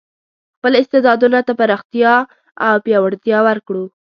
خپل استعدادونو ته پراختیا او پیاوړتیا ورکړو.